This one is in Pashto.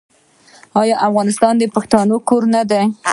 آیا افغانستان د پښتنو کور نه دی؟